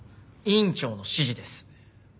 院長の指示です。